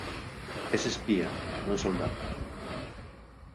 Es espía, non soldado.